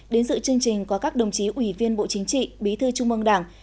đến sự chương trình có các đồng chí ủy viên bộ chính trị bí thư trung mông đảng